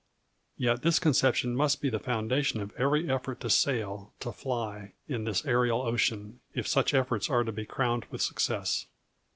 Yet this conception must be the foundation of every effort to sail, to fly, in this aerial ocean, if such efforts are to be crowned with success.